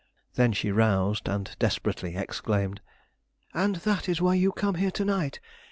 Then she roused, and desperately exclaimed: "And that is why you come here to night.